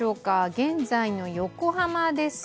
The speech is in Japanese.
現在の横浜です。